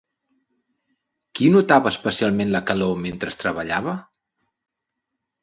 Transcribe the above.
Qui notava especialment la calor mentre treballava?